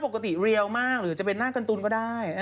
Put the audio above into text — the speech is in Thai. เรียวมากหรือจะเป็นหน้าการ์ตูนก็ได้